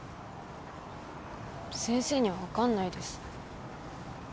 先生には分かんないです。